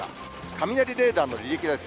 雷レーダーの履歴です。